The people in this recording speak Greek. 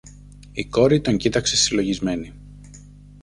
Η κόρη τον κοίταξε συλλογισμένη.